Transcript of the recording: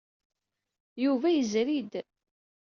Yuba yezri-d.